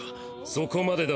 そこまでだ